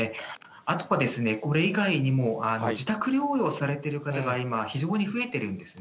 あとはこれ以外にも自宅療養されている方が今、非常に増えてるんですね。